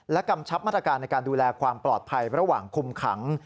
กำชับมาตรการในการดูแลความปลอดภัยระหว่างคุมขัง